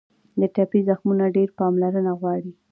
د ټپي زخمونه ډېره پاملرنه غواړي.